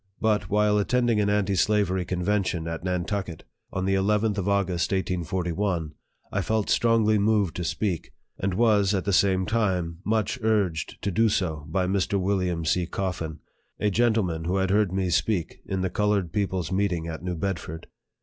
But, while attending an anti slavery convention at Nantucket, on the llth of August, 1841, 1 felt strongly moved to speak, and was at the same time much urged to do so by Mr. William C. Coffin, a gentleman who had heard me speak in the colored people's meeting at New Bedford.